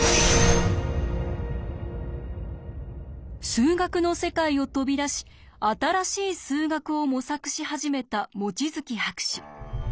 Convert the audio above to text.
数学の世界を飛び出し新しい数学を模索し始めた望月博士。